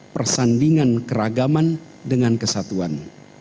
persandingan keragaman dengan kesatuan